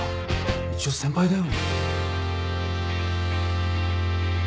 一応先輩だよ？